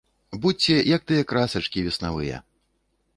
Будзьце як тыя красачкі веснавыя!